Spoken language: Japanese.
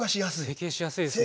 成形しやすいですね。